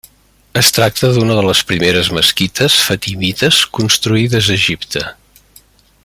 Es tracta d'una de les primeres mesquites fatimites construïdes a Egipte.